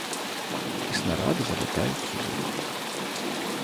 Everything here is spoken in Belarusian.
І снарады залятаюць сюды.